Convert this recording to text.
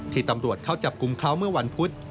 ที่ตำรวจเข้าจับกลุ่มเขาเมื่อวันพุธ